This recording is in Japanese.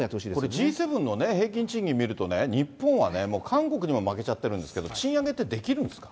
Ｇ７の平均賃金見るとね、日本は、韓国にも負けちゃってるんですけど、賃上げってできるんですか。